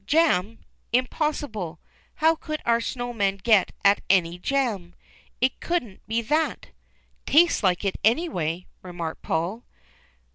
^^Jam! Impossible. How could our snow man get at any jam ? It couldn't be that." "Tastes like it, anyway," remarked Paul.